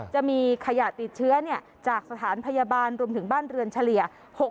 จะมีขยะติดเชื้อจากสถานพยาบาลรวมถึงบ้านเรือนเฉลี่ย